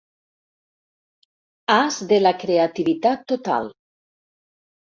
As de la creativitat total.